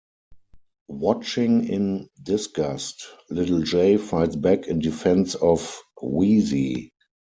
Watching in disgust, Little J fights back in defense of Weezie.